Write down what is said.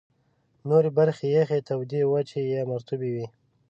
نورې برخې یخي، تودې، وچي یا مرطوبې وې.